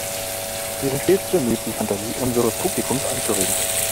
Wir sind stets bemüht, die Fantasie unseres Publikums anzuregen.